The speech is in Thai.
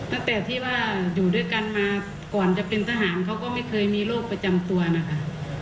ตั้งแต่ที่ว่าอยู่ด้วยกันมาก่อนจะเป็นทหารเขาก็ไม่เคยมีโรคประจำตัวนะคะ